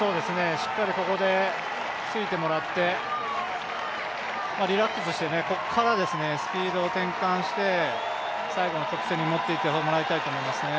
しっかりここでついてもらってリラックスしてここから、スピードを転換して最後の直線に持っていってもらいたいと思いますね。